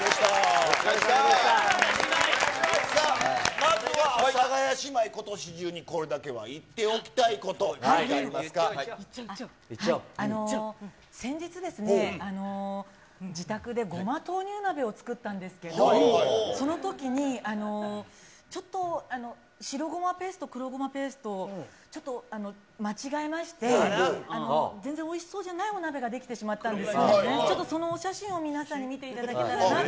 まずは阿佐ヶ谷姉妹、ことし中にこれだけは言っておきたいこと、先日ですね、自宅でごま豆乳鍋を作ったんですけど、そのときに、ちょっと白ごまペースト、黒ごまペーストをちょっと間違えまして、全然おいしそうじゃないお鍋が出来てしまったんですけど、ちょっとそのお写真を皆さんに見ていただけたらなと。